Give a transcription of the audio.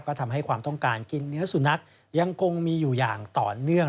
ก็ทำให้ความต้องการกินเนื้อสุนัขยังคงมีอยู่อย่างต่อเนื่อง